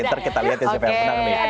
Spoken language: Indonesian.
nanti kita lihat ya siapa yang menang nih